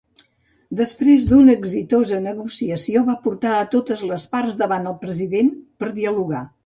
Després d'una exitosa negociació, va portar a totes les parts davant el President per dialogar.